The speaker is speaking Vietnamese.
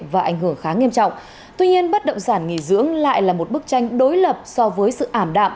và ảnh hưởng khá nghiêm trọng tuy nhiên bất động sản nghỉ dưỡng lại là một bức tranh đối lập so với sự ảm đạm